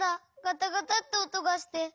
ガタガタっておとがして。